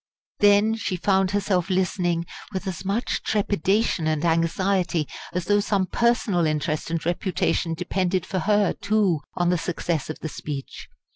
Then she found herself listening with as much trepidation and anxiety as though some personal interest and reputation depended for her, too, on the success of the speech.